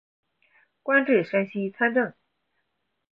官至山西参政。